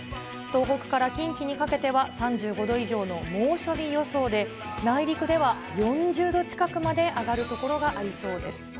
東北から近畿にかけては３５度以上の猛暑日予想で、内陸では４０度近くまで上がる所がありそうです。